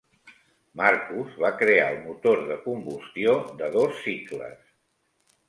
Marcus va crear el motor de combustió de dos cicles.